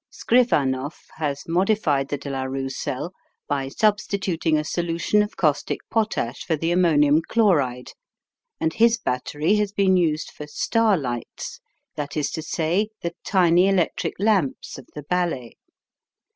Skrivanoff has modified the De la Rue cell by substituting a solution of caustic potash for the ammonium chloride, and his battery has been used for "star" lights, that is to say, the tiny electric lamps of the ballet.